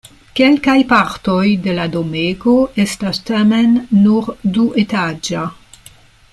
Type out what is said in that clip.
Kelkaj partoj de la domego estas tamen nur duetaĝa.